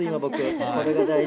それが大事。